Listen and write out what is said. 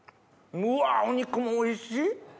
うわお肉もおいしい！